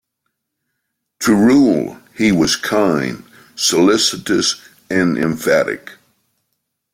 To Rule, he was "kind, solicitous, and empathetic".